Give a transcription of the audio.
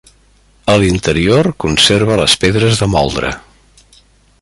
A l'interior conserva les pedres de moldre.